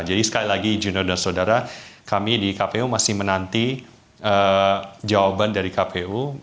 jadi sekali lagi juno dan saudara kami di kpu masih menanti jawaban dari kpu